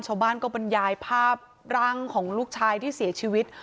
ชาวบ้านก็บรรยายภาพร่างของลูกชายที่เสียชีวิต